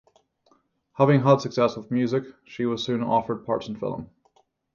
Having had success with music, she was soon offered parts in film.